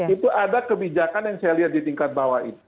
itu ada kebijakan yang saya lihat di tingkat bawah itu